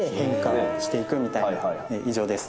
以上です。